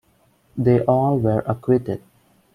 They all were acquitted.